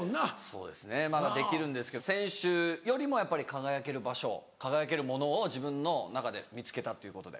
そうですねまだできるんですけど選手よりもやっぱり輝ける場所輝けるものを自分の中で見つけたっていうことで。